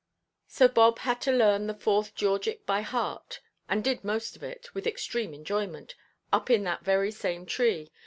So Bob had to learn the fourth Georgic by heart, and did most of it (with extreme enjoyment) up in that very same tree.